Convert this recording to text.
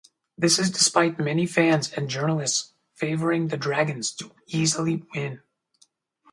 This is despite many fans and journalists favouring the Dragons to easily win.